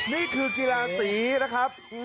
นี่คือกีฬาสีนะครับ